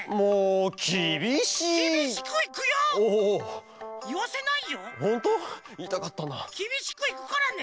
きびしくいくからね！